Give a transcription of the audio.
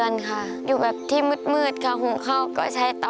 นูก็